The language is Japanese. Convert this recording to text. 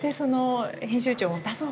編集長も「出そう！